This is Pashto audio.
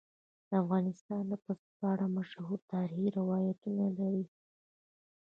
افغانستان د پسه په اړه مشهور تاریخی روایتونه لري.